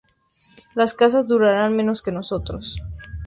Las casas durarán menos que nosotros.